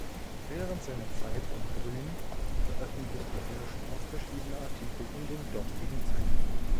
Während seiner Zeit in Brünn veröffentlichte Hirsch auch verschiedene Artikel in den dortigen Zeitungen.